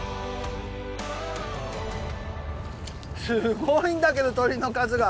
すごいんだけど鳥の数が。